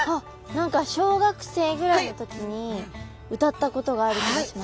何か小学生ぐらいの時に歌ったことがある気がします。